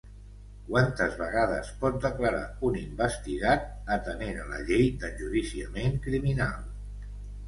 Quantes vegades pot declarar un investigat atenent a la llei d'enjudiciament criminal?